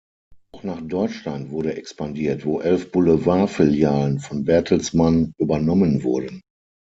Auch nach Deutschland wurde expandiert, wo elf "Boulevard-Filialen" von Bertelsmann übernommen wurden.